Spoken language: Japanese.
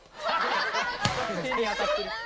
手に当たってる。